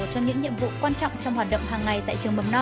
ê không rửa nữa không rửa nữa không rửa nữa không rửa thế nữa